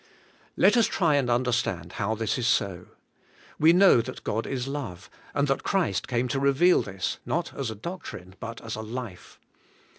Let us try and understand how this is so. We know that God is love, and that Christ came to reveal this, not as a doctrine but as a life.